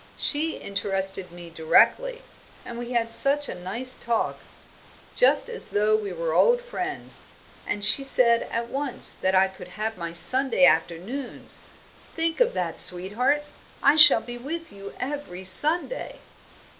She interested me directly, and we had such a nice talk, just as though we were old friends; and she said at once that I could have my Sunday afternoons think of that, sweetheart! I shall be with you every Sunday."